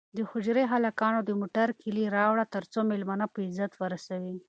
د حجرې هلکانو د موټر کیلي راوړه ترڅو مېلمانه په عزت ورسوي.